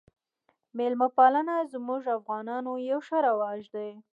میلمه پالنه زموږ افغانانو یو ښه رواج دی